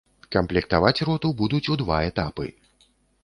Камплектаваць роту будуць у два этапы.